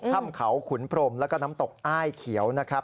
ถ้ำเขาขุนพรมแล้วก็น้ำตกอ้ายเขียวนะครับ